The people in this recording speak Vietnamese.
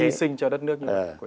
hy sinh cho đất nước